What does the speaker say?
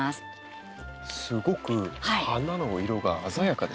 すごく花の色が鮮やかですけど。